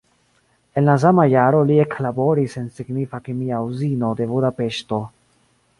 En la sama jaro li eklaboris en signifa kemia uzino de Budapeŝto.